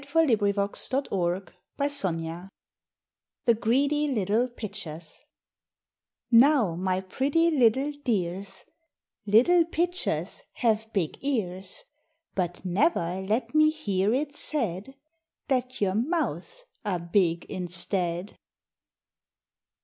[Illustration: A Sharp Lover] THE GREEDY LITTLE PITCHERS "Now, my pretty little dears, Little Pitchers have big ears; But never let me hear it said That your mouths are big instead."